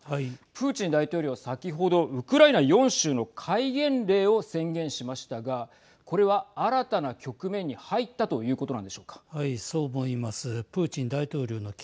プーチン大統領は先ほどウクライナ４州の戒厳令を宣言しましたがこれは、新たな局面に入ったということなんでしょうか。